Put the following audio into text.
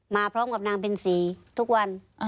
มาพร้อมกับนางเพ็ญศรีทุกวัน